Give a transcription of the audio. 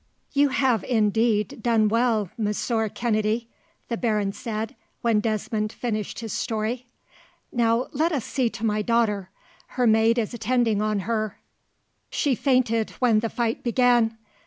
"You have indeed done well, Monsieur Kennedy," the baron said, when Desmond finished his story. "Now, let us see to my daughter. Her maid is attending on her. She fainted when the fight began.